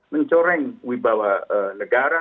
mencoreng wibawa negara